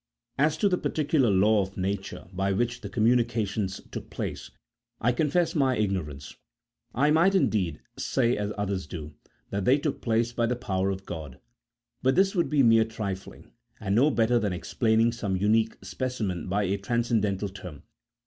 As to the particular law of Nature by which the communications took place, I confess my ignorance. I might, indeed, say as others do, that they took place by the power of God ; but this would be mere trifling, and no better than explaining some unique speci men by a transcendental term.